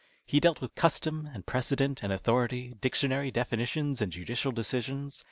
He dealt with custom and precedent and authority, dictionary definitions and judicial decisions.